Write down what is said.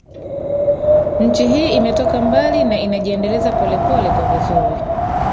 Nchi hii imetoka mbali na inajiendeleza polepole kwa vizuri